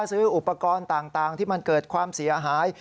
ซื้ออุปกรณ์ต่างที่มันเกิดความเสียหาย